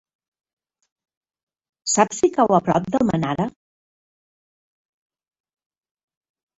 Saps si cau a prop d'Almenara?